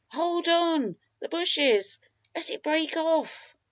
"Hold on! the bushes! let it break off!"